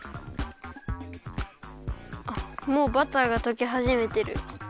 あっもうバターがとけはじめてる。